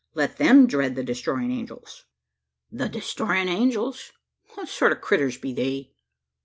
Let them dread the Destroying Angels!" "The Destroying Angels! What sort o' critters be they?"